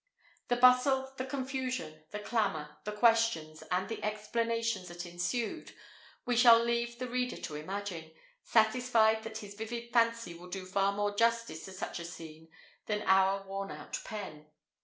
The bustle, the confusion, the clamour, the questions, and the explanations that ensued, we shall leave the reader to imagine, satisfied that his vivid fancy will do far more justice to such a scene than our worn out pen.